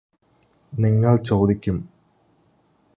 നിങ്ങള് ചോദിക്കും